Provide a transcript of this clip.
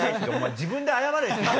自分で謝れよ！